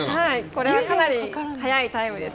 これは、かなり速いタイムです。